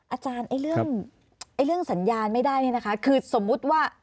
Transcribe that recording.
อาจารย์เรื่องสัญญาณไม่ได้เนี่ยนะคะคือสมมุติว่า